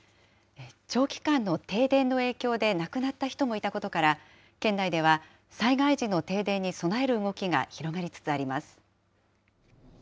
長期間の停電の影響で亡くなった人もいたことから、県内では、災害時の停電に備える動きが広がりつつあります。